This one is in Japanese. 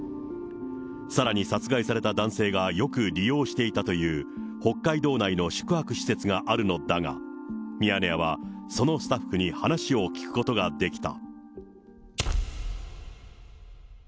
さらに殺害された男性がよく利用していたという北海道内の宿泊施設があるのだが、ミヤネ屋は、そのスタッフに話を聞くことができた。